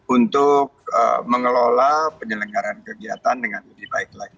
untuk mengelola penyelenggaran kegiatan dengan lebih baik lagi